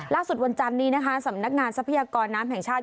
วันจันนี้นะคะสำนักงานทรัพยากรน้ำแห่งชาติ